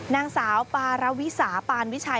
นางสาวปารวิสาปานวิชัย